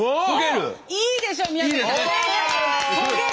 いいでしょう！